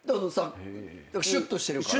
シュッとしてるから？